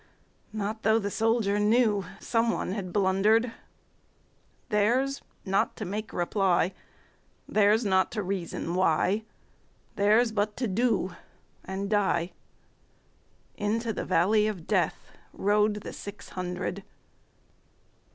Not tho' the soldier knewSome one had blunder'd:Theirs not to make reply, Theirs not to reason why, Theirs but to do and die:Into the valley of DeathRode the six hundred.